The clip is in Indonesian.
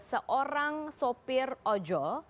seorang sopir ojo